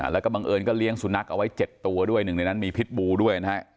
แล้วก็บังเอิญก็เลี้ยงสุนัขเอาไว้๗ตัวด้วยหนึ่งในนั้นมีพิษบูด้วยนะฮะ